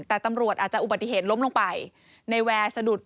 แต่ตำรวจอาจจะอุบัติเหตุล้มลงไปในแวร์สะดุด